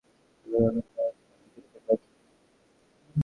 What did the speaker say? হেরে শুরু করতে হওয়াটা কঠিন, তবে এখনও অনেক ম্যাচ, অনেক ক্রিকেট বাকি।